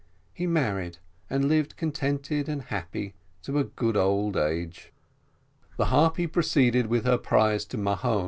He married, and lived contented and happy to a good old age. The Harpy proceeded with her prize to Mahon.